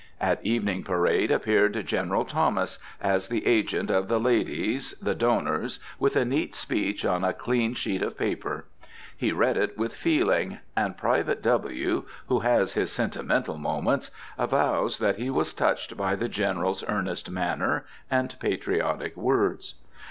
At evening parade appeared General Thomas, as the agent of the ladies, the donors, with a neat speech on a clean sheet of paper. He read it with feeling; and Private W., who has his sentimental moments, avows that he was touched by the General's earnest manner and patriotic words.